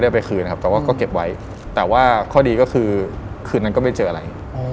เอาไปคืนนะครับแต่ว่าก็เก็บไว้แต่ว่าข้อดีก็คือคืนนั้นก็ไม่เจออะไร